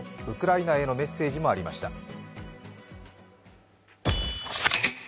ウクライナへのメッセージもありました。